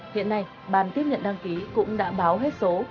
hiện nay bàn tiếp nhận đăng ký cũng đã báo hết số